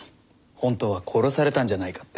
本当は殺されたんじゃないかって。